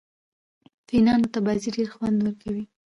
فېنانو ته بازي ډېره خوند ورکوي.